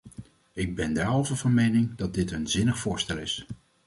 Ik ben derhalve van mening dat dit een zinnig voorstel is.